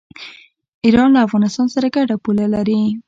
ایران له افغانستان سره ګډه پوله لري.